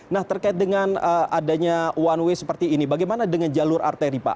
nah terkait dengan adanya one way seperti ini bagaimana dengan jalur arteri pak